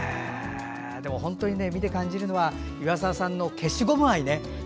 本当に見て感じるのは岩沢さんの消しゴム愛ね。